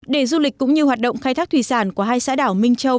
để du lịch cũng như hoạt động khai thác thủy sản của hai xã đảo minh châu